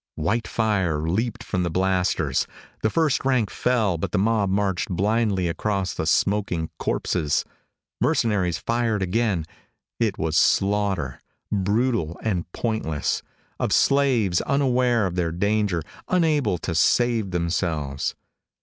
White fire leaped from the blasters. The first rank fell, but the mob marched blindly across the smoking corpses. The mercenaries fired again. It was slaughter brutal and pointless of slaves unaware of their danger, unable to save themselves.